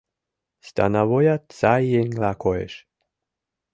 Становоят сай еҥла коеш.